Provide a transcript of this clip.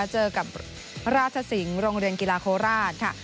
เจอกับราชสิงห์โรงเรียนกีฬาโคราชค่ะ